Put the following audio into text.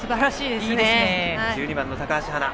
１２番の高橋はな。